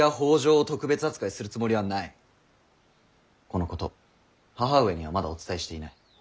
このこと母上にはまだお伝えしていない。